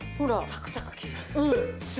サクサク切れる。